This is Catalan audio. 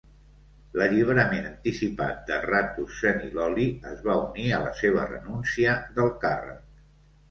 L'alliberament anticipat de Ratu Seniloli es va unir a la seva renúncia del càrrec.